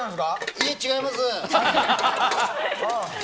いえ、違います！